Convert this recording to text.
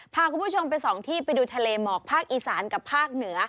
พาคุณผู้ชมไปสองที่ไปดูทะเลหมอกภาคอีสานกับภาคเหนือ